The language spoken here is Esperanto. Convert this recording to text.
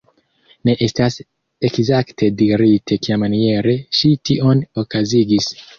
Ne estas ekzakte dirite kiamaniere ŝi tion okazigis.